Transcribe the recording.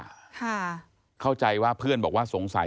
ค่ะเข้าใจว่าเพื่อนบอกว่าสงสัย